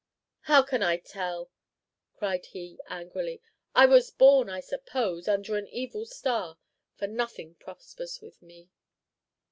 "How can I tell?" cried he, angrily. "I was born, I suppose, under an evil star; for nothing prospers with me."